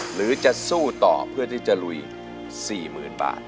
หรือจะสู้ต่อเพื่อที่จะลุย๔๐๐๐บาท